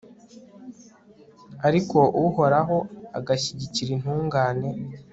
ariko uhoraho agashyigikira intungane